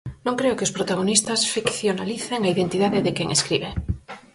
Non creo que os protagonistas ficcionalicen a identidade de quen escribe.